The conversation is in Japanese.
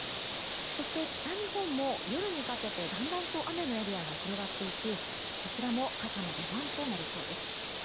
そして、北日本も夜にかけてだんだんと雨のエリアが広がっていき、こちらも傘の出番となりそうです。